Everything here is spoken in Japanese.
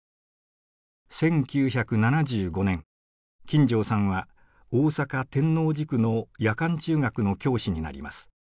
１９７５年金城さんは大阪・天王寺区の夜間中学の教師になります。